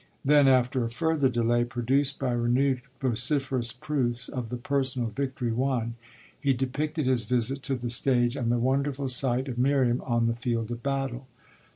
Then, after a further delay produced by renewed vociferous proofs of the personal victory won, he depicted his visit to the stage and the wonderful sight of Miriam on the field of battle.